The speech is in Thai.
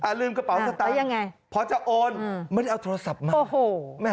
อ่ะลืมกระเป๋าสัตว์ตังค์พอจะโอนไม่ได้เอาโทรศัพท์มา